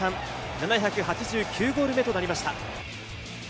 キャリア通算７８９ゴール目となりました。